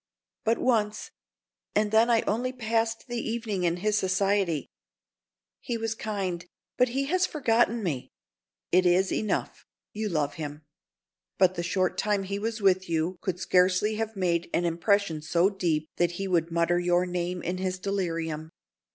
"But once. And then I only passed the evening in his society. He was kind, but he has forgotten me!" "It is enough, you love him. But the short time he was with you could scarcely have made an impression so deep that he would mutter your name in his delirium.